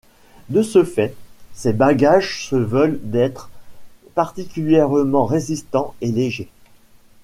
De ce fait, ces bagages se veulent d'être particulièrement résistants et légers.